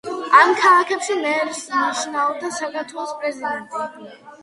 ამ ქალაქებში მერს ნიშნავდა საქართველოს პრეზიდენტი.